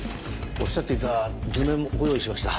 おっしゃっていた図面もご用意しました。